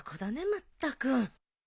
まったく。